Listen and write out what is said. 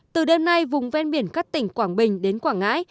từ đêm nay vùng ven biển các tỉnh quảng bình đến quảng ngãi